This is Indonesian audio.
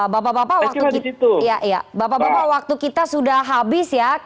bapak bapak waktu kita sudah habis ya